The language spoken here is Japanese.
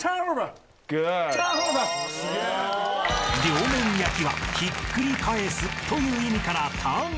［両面焼きはひっくり返すという意味から］